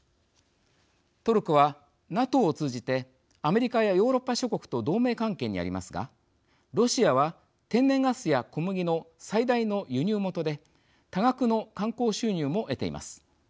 トルコはＮＡＴＯを通じてアメリカやヨーロッパ諸国と同盟関係にありますがロシアは天然ガスや小麦の最大の輸入元で多額の観光収入も得ています。